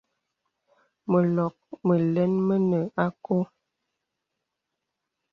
Mə lɔk məlɛn mənə àkɔ̄ɔ̄.